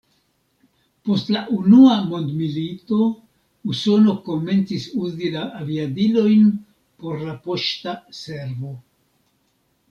Post la Unua mondmilito Usono komencis uzi la aviadilojn por la poŝta servo.